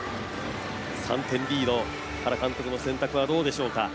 ３点リード、原監督の選択はどうでしょうか。